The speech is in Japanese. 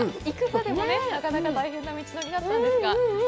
行くまでもなかなか大変な道のりだったんですが。